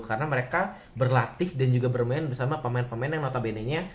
karena mereka berlatih dan juga bermain bersama pemain pemain yang notabenenya